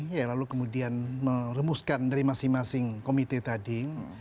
ya lalu kemudian meremuskan dari masing masing komite tadi